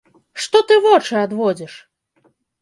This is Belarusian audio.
Што ты вочы адводзіш?